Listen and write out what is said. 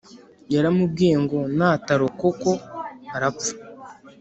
Yaramubwiye ngo natarokoko arapfa